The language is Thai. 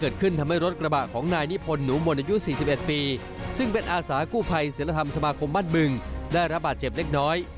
ได้ระบาดเจ็บเล็กน้อย